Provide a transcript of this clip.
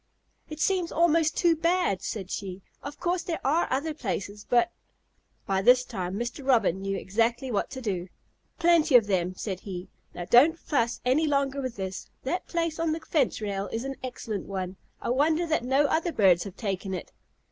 "It seems almost too bad," said she. "Of course there are other places, but " By this time Mr. Robin knew exactly what to do. "Plenty of them," said he. "Now don't fuss any longer with this. That place on the rail fence is an excellent one. I wonder that no other birds have taken it."